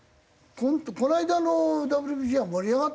この間のＷＢＣは盛り上がったよね。